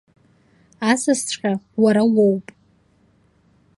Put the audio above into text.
Асасҵәҟьа уара уоуп.